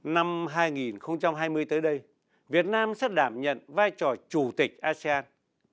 năm hai nghìn hai mươi tới đây việt nam sẽ đảm nhận vai trò chủ tịch asean